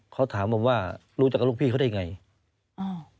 เขาถามผมว่ารู้จักกับลูกพี่เขาได้ไงอ่า